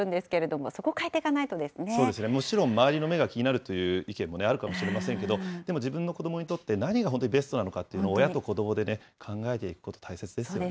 もちろん周りの目が気になるという意見もあるかもしれませんけれども、でも、自分の子どもにとって何がベストなのかというのを、親と子どもでね、考えていくこと、大切ですよね。